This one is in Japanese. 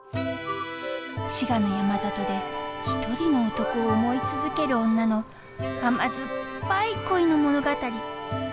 滋賀の山里で一人の男を思い続ける女の甘酸っぱい恋の物語。